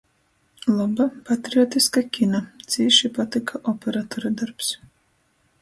Loba, patriotiska kina, cīši patyka operatora dorbs...